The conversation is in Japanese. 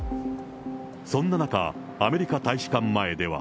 そんな中、アメリカ大使館前では。